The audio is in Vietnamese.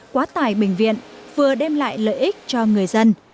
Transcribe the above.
quá tải bệnh viện vừa đem lại lợi ích cho người dân